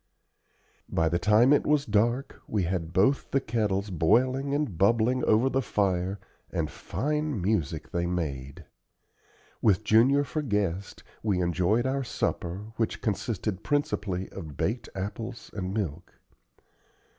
By the time it was dark, we had both the kettles boiling and bubbling over the fire, and fine music they made. With Junior for guest, we enjoyed our supper, which consisted principally of baked apples and milk.